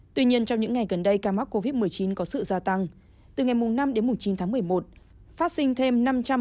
tuy nhiên trong những ngày gần đây ca mắc covid một mươi chín có sự gia tăng từ ngày năm đến chín tháng một mươi một phát sinh thêm năm trăm ba mươi ca